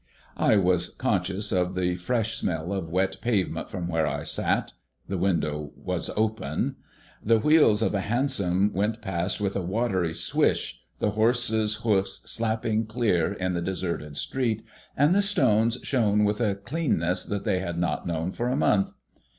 I was conscious of the fresh smell of wet pavement from where I sat the window was open. The wheels of a hansom went past with a watery swish, the horse's hoofs slapping clear in the deserted street, and the stones shone with a cleanness that they had not known for a month.